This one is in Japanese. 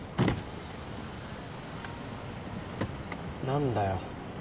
何だよ？